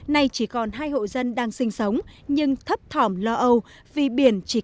nay chỉ còn hai hộ dân đang sinh sống nhưng thấp thỏm lo âu vì biển chỉ